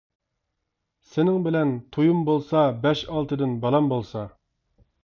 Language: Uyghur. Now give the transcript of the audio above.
سېنىڭ بىلەن تويۇم بولسا، بەش ئالتىدىن بالام بولسا.